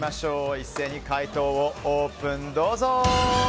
一斉に解答をオープン。